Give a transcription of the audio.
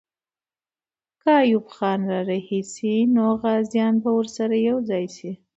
که ایوب خان را رهي سي، نو غازیان به ورسره یو ځای سي.